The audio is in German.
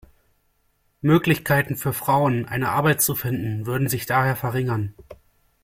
Möglichkeiten für Frauen, eine Arbeit zu finden, würden sich daher verringern.